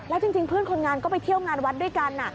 แล้วจริงเพื่อนคนงานก็ไปเที่ยวงานวัดด้วยกัน